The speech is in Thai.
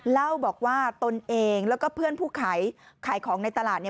เล่าบอกว่าตนเองแล้วก็เพื่อนผู้ขายของในตลาด